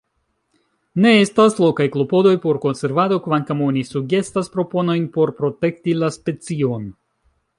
Ne estas lokaj klopodoj por konservado, kvankam oni sugestas proponojn por protekti la specion.